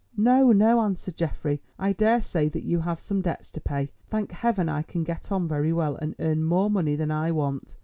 "No, no," answered Geoffrey, "I daresay that you have some debts to pay. Thank Heaven, I can get on very well and earn more money than I want.